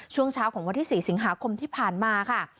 ช่วงเช้าของวันที่๔สิงหาคมที่ผ่านมาค่ะ